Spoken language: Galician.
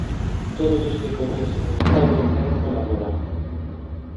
Todos os que coñecen a historia queren colaborar.